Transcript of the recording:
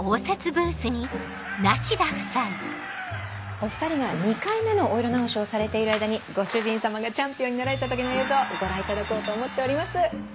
お２人が２回目のお色直しをされている間にご主人さまがチャンピオンになられた時の映像をご覧いただこうと思っております。